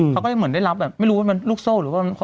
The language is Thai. เขาก็จะเหมือนได้รับแบบไม่รู้ว่ามันลูกโซ่หรือว่า